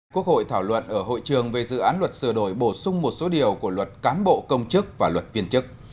quốc hội thảo luận ở hội trường về dự án luật sửa đổi bổ sung một số điều của luật cán bộ công chức và luật viên chức